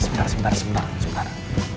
sebentar sebentar sebentar